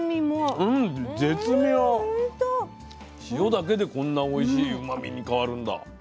塩だけでこんなおいしいうまみに変わるんだ。